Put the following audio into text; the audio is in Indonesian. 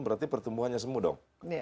berarti pertumbuhannya semua dong